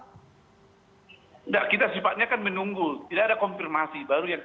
tidak kita sifatnya kan menunggu tidak ada konfirmasi